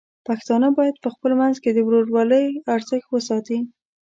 پښتانه بايد په خپل منځ کې د ورورولۍ ارزښت وساتي.